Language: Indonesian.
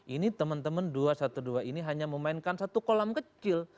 ini teman teman dua ratus dua belas ini hanya memainkan satu kolam kecil